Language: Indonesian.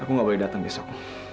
aku nggak boleh datang besok